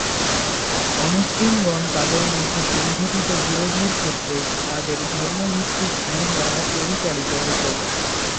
অমুসলিমগণ তাদের মধ্যে সংঘটিত বিরোধের ক্ষেত্রে তাদের ধর্মভিত্তিক আইন দ্বারা পরিচালিত হতো।